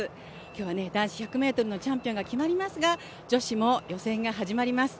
今日は男子１００ｍのチャンピオンが決まりますが女子も予選が始まります。